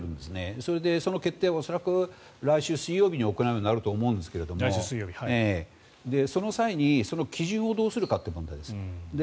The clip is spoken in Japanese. それで、その決定を恐らく来週水曜日に行うことになると思うんですがその際に、その基準をどうするかという問題です。